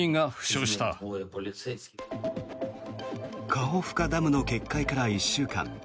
カホフカダムの決壊から１週間。